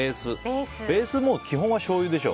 ベースは基本しょうゆでしょ。